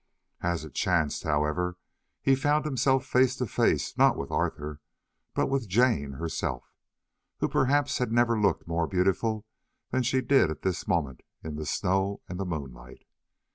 As it chanced, however, he found himself face to face not with Arthur, but with Jane herself, who perhaps had never looked more beautiful than she did at this moment in the snow and the moonlight.